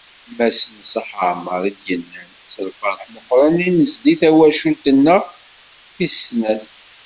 Mass Neṣṣaḥ Ɛmer, i d-yennan: “S lferḥ meqqren i d-nezdi tawcult-nneɣ tis snat."